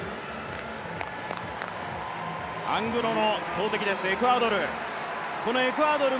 アングロの投てきですエクアドル。